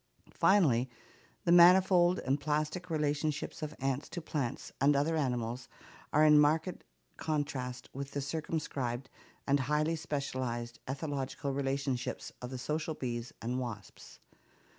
Finally, the manifold and plastic relationships of ants to plants and other animals are in marked contrast with the circumscribed and highly specialized ethological relationships of the social bees and wasps.